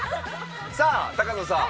さあ野さん